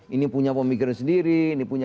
ini punya pemikiran sendiri ini punya